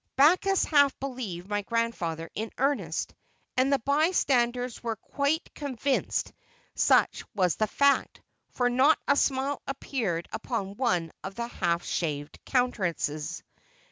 Backus half believed my grandfather in earnest, and the bystanders were quite convinced such was the fact, for not a smile appeared upon one of the half shaved countenances.